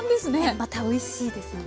またおいしいですよね。